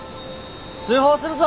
通報するぞ！